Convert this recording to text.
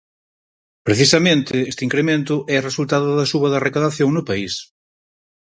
Precisamente, este incremento é resultado da suba da recadación no país.